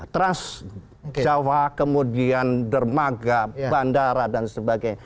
trans jawa kemudian dermaga bandara dan sebagainya